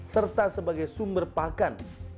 serta sebagai sumber pakan